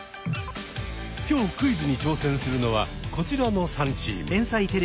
今日クイズに挑戦するのはこちらの３チーム。